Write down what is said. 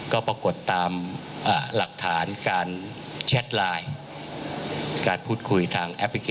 ก็ปรากฏตามหลักฐานการแชทไลน์